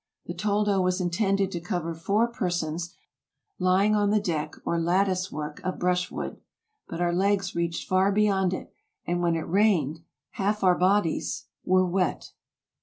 The toldo was intended to cover four persons, lying on the deck or lattice work of brush wood ; but our legs reached far beyond it, and when it rained half our bodies ALEXANDER VON HUMBOLDT AMERICA 179 were wet.